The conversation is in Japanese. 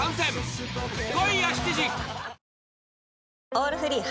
「オールフリー」